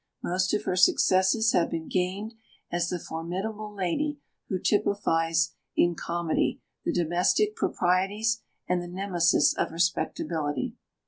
Most of her successes have been gained as the formidable lady who typifies in comedy the domestic proprieties and the Nemesis of respectability.